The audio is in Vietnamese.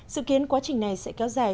dự kiến quá trình này sẽ kéo dài